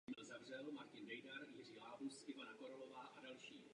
Ženy nechtějí a nesmí platit cenu za smír.